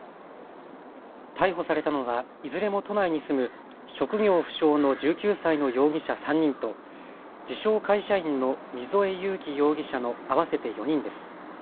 逮捕されたのはいずれも都内に住む職業不詳の１９歳の容疑者３人と自称会社員の溝江悠樹容疑者の合わせて４人です。